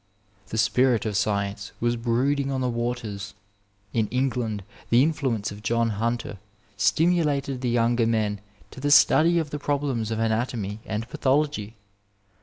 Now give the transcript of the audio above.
The spirit of Science was brooding on the waters. In England the influence of John Hunter stimulated the younger men to the study of the problems of anatomy and pathology.